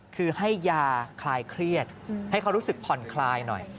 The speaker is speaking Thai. คือให้ยาคลายเครียดให้เขารู้สึกผ่อนคลายหน่อย